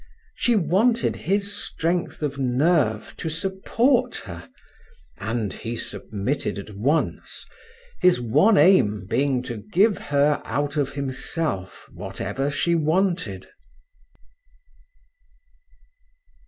She wanted his strength of nerve to support her, and he submitted at once, his one aim being to give her out of himself whatever she wanted.